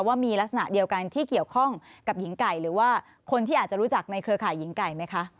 ว่ามีลักษณะเดียวกันที่เกี่ยวข้องกับหญิงไก่หรือว่าคนที่อาจจะรู้จักในเครือข่ายหญิงไก่ไหมคะ